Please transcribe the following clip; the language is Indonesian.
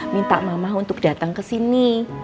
minta mama untuk datang kesini